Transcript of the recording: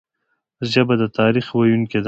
ژبه د تاریخ ویونکي ده